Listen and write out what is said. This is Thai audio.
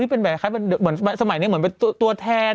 ที่สมัยนี้เป็นตัวแทนมีใครบ้างตูกาแตร